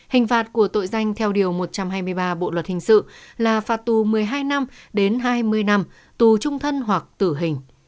hình phạt của tội danh theo điều một trăm hai mươi ba bộ luật hình sự là phạt tù một mươi hai năm đến hai mươi năm tù trung thân hoặc tử hình